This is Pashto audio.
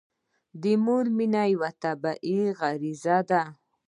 د مور مینه یوه طبیعي غريزه ده.